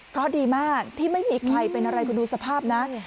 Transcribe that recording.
เพราะดีมากที่ไม่มีใครเป็นอะไรคุณดูสภาพนะ